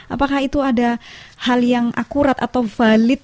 apakah itu ada hal yang akurat atau valid